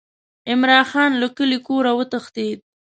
عمرا خان له کلي کوره وتښتېد.